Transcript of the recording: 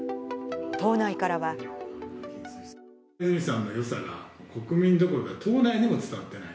泉さんのよさが、国民どころか、党内にも伝わってない。